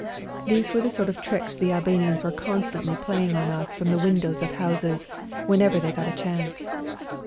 These were the sort of tricks the Albanians were constantly play ing on us from the windows of houses, whenever they got a chance.